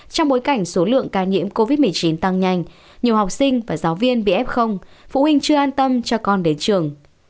trong bối cảnh số lượng ca nhiễm covid một mươi chín tăng nhanh nhiều học sinh và giáo viên bị f phụ huynh chưa an tâm cho con đến trường